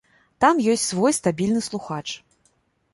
Там ёсць свой стабільны слухач.